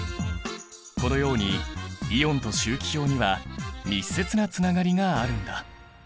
このようにイオンと周期表には密接なつながりがあるんだ。